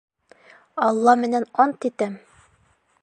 — Алла менән ант итәм!